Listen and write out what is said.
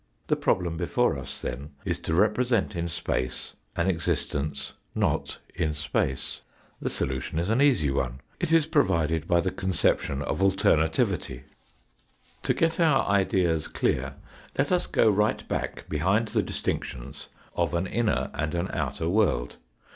The problem before us, then, is to represent in space an existence not in space. The solution is an easy one. It is provided by the conception of alternativity. APPLICATION TO KANT*S THEORY OF EXPERIENCE 111 To get our ideas clear let us go right back behind the distinctions of an inner and an outer world.